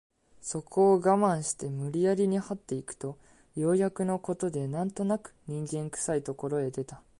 そこを我慢して無理やりに這って行くとようやくの事で何となく人間臭い所へ出た